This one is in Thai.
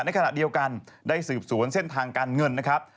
ในขณะเดียวกันได้สืบสวนเส้นทางการเงินนะครับ